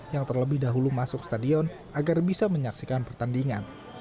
yang terlebih dahulu masuk stadion agar bisa menyaksikan pertandingan